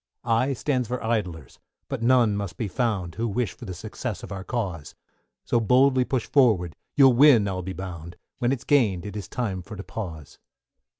=I= stands for Idlers, but none must be found, Who wish for the success of our cause; So boldly push forward, you'll win I'll be bound, When it's gained it is time for to pause.